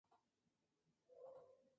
El reino fue dividido entre Ilión y Dardania.